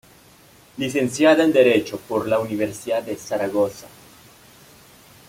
Licenciada en Derecho por la Universidad de Zaragoza.